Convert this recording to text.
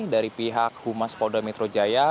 dari pihak humas polda metro jaya